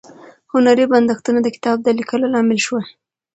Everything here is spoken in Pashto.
هنري بندښتونه د کتاب د لیکلو لامل شول.